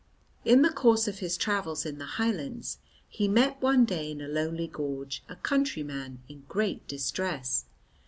In the course of his travels in the Highlands he met one day in a lonely gorge a countryman in great distress.